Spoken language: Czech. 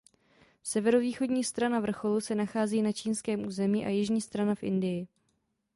Severovýchodní strana vrcholu se nachází na čínském území a jižní strana v Indii.